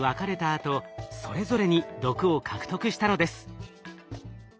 あとそれぞれに毒を獲得したのです。